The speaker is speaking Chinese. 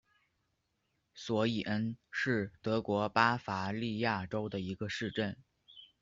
索伊恩是德国巴伐利亚州的一个市镇。